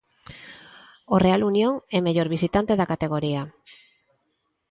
O Real Unión é o mellor visitante da categoría.